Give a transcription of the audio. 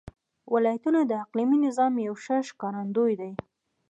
ولایتونه د اقلیمي نظام یو ښه ښکارندوی دی.